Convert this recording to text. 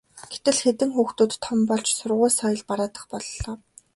гэтэл хэдэн хүүхдүүд том болж сургууль соёл бараадах боллоо.